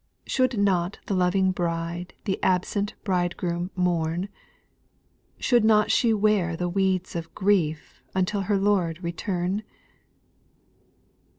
Should not the loving Bride The absent Bridegroom mourn ? Should she not wear the weeds of grief Until her Lord return